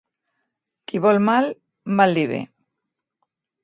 Qui vol mal, mal li ve.